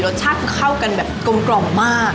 รสชาติคือเข้ากันแบบกลมมาก